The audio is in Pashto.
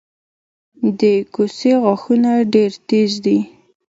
د کوسې غاښونه ډیر تېز دي